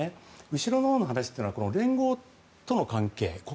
後ろのほうの話は連合との関係